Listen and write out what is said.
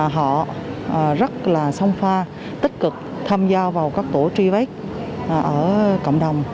họ rất là song pha tích cực tham gia vào các tổ trivet ở cộng đồng